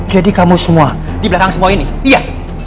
jadi kamu semua di belakang semua ini iya